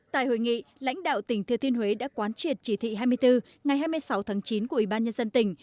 tại hội nghị lãnh đạo tỉnh thừa thiên huế đã quán triệt chỉ thị hai mươi bốn ngày hai mươi sáu tháng chín của ủy ban nhân dân tỉnh